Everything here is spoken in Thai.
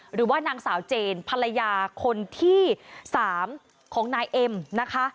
หรือว่านางสาวเจนภรรยาคนที่๓ของนายเอ็มนะคะ